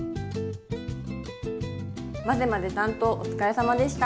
まぜまぜ担当お疲れさまでした。